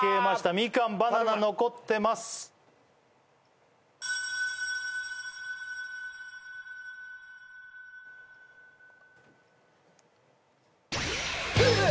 みかんバナナ残ってますえっ！